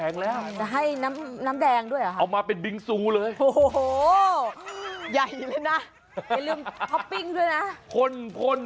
นึกถิ่งวัดที่ดูด้วยน่ะ